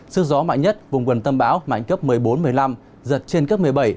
sức gió mạnh nhất vùng gần tâm bão mạnh cấp một mươi bốn một mươi năm giật trên cấp một mươi bảy